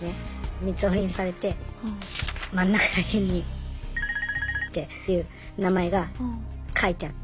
三つ折りにされて真ん中ら辺にっていう名前が書いてあって。